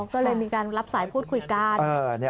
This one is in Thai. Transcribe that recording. ก็เลยมีการรับสายพูดคุยกัน